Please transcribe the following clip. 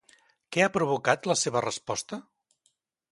Què ha provocat la seva resposta?